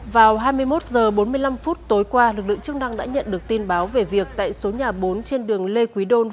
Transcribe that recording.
vào hai mươi một h bốn mươi năm tối qua lực lượng chức năng đã nhận được tin báo về việc tại số nhà bốn trên đường lê quý đôn